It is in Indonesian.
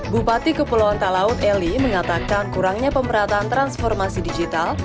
bupati kepulauan talaut eli mengatakan kurangnya pemerataan transformasi digital